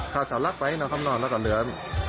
ข้าวสาวรักไปน้องคำนอนแล้วก็เหลือ